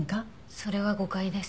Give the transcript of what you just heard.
それは誤解です。